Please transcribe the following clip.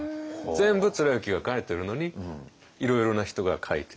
全部貫之が書いてるのにいろいろな人が書いている。